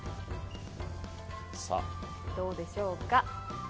どうでしょうか？